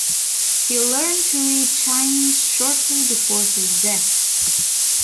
He learned to read Chinese shortly before his death.